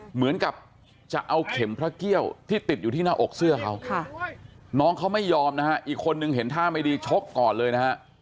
เหมือนกับจะเอาเข็มพระเกี้ยวที่ติดอยู่ที่หน้าอกเสื้อเขาน้องเขาไม่ยอมนะฮะอีกคนนึงเห็นท่าไม่ดีชกก่อนเลยนะฮะ